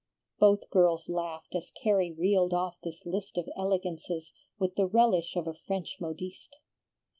Both girls laughed as Carrie reeled off this list of elegances, with the relish of a French modiste.